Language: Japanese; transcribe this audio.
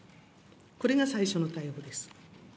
これが最初の対応です。